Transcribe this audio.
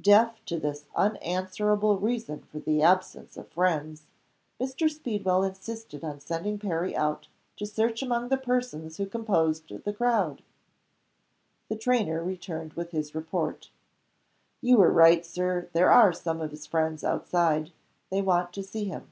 Deaf to this unanswerable reason for the absence of friends, Mr. Speedwell insisted on sending Perry out to search among the persons who composed the crowd. The trainer returned with his report. "You were right, Sir. There are some of his friends outside. They want to see him."